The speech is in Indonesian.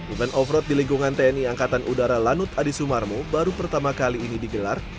event off road di lingkungan tni angkatan udara lanut adi sumarmo baru pertama kali ini digelar